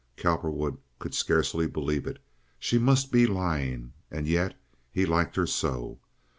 Cowperwood could scarcely believe it. She must be lying, and yet he liked her so.